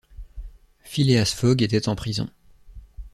Phileas Fogg était en prison.